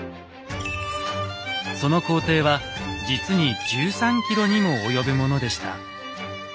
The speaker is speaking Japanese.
その行程は実に１３キロにも及ぶものでした。